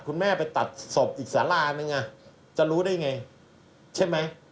คุณแม่ไปตัดศพอิกษาลายมั้ยไงจะรู้ได้อย่างไรใช่มั้ย